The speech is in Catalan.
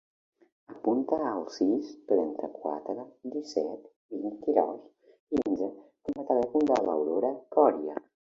Apunta el sis, trenta-quatre, disset, vint-i-dos, quinze com a telèfon de l'Aurora Coria.